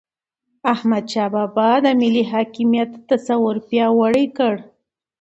د احمد شاه بابا د ملي حاکمیت تصور پیاوړی کړ.